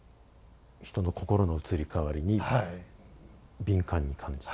人の心の移り変わりに敏感に感じた。